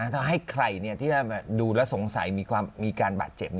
ถ้าให้ใครที่ดูแล้วสงสัยมีการบาดเจ็บ